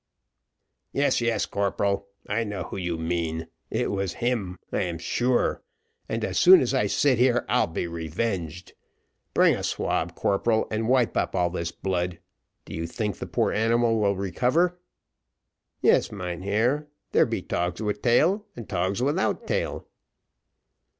"Yes, yes, corporal, I know who you mean. It was him I am sure and as sure as I sit here I'll be revenged. Bring a swab, corporal, and wipe up all this blood. Do you think the poor animal will recover?" "Yes, mynheer; there be togs with tail and togs without tail."